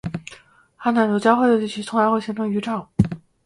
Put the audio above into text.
寒暖流交汇的地区通常会形成渔场